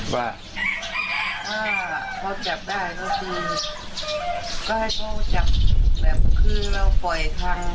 ว่าถ้าเขาจับได้ก็คือถ้าให้เขาจับแบบคือเราปล่อยทาง